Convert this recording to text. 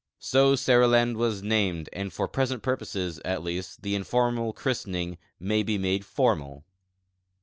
So Seriland was named, and for present purposes, at least, the informal christening may he made formal.